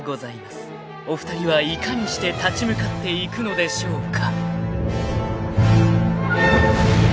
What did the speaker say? ［お二人はいかにして立ち向かっていくのでしょうか］